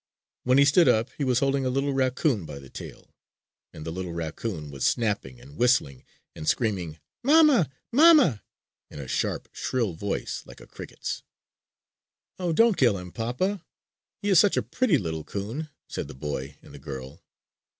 When he stood up, he was holding a little raccoon by the tail; and the little raccoon was snapping and whistling and screaming "Mamma! Mamma!" in a sharp, shrill voice like a cricket's. "Oh, don't kill him, papa! He is such a pretty little 'coon!" said the boy and the girl.